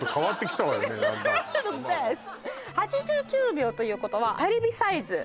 ８９秒ということはテレビサイズ